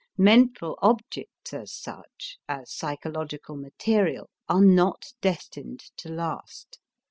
Mental objects as such, as psychological material, are not destined to last.